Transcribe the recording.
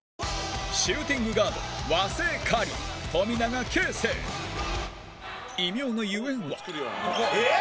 シューティングガード和製カリー、富永啓生異名のゆえんは山崎：えっ！